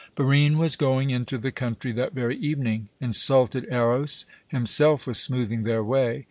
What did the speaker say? Barine was going into the country that very evening. Insulted Eros himself was smoothing their way.